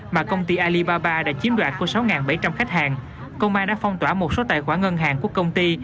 mà công ty alibaba đã chiếm đoạt của sáu bảy trăm linh khách hàng công an đã phong tỏa một số tài khoản ngân hàng của công ty